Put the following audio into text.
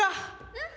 うん。